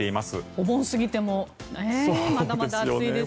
お盆過ぎてもまだまだ暑いですね。